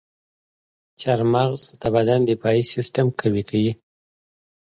چارمغز د بدن دفاعي سیستم قوي کوي.